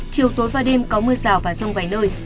chiều tối và đêm có mưa rào và rông vài nơi